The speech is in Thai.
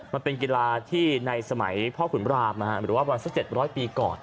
มันเป็นกีฬาที่ในสมัยพ่อขุนรามหรือว่าวันสัก๗๐๐ปีก่อน